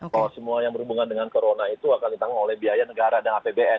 bahwa semua yang berhubungan dengan corona itu akan ditanggung oleh biaya negara dan apbn